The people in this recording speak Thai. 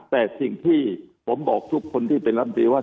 แต่สิ่งที่ผมบอกทุกคนที่เป็นรัฐมนตรีว่า